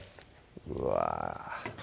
うわ